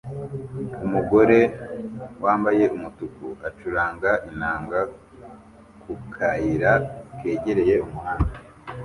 Umugore wambaye umutuku acuranga inanga ku kayira kegereye umuhanda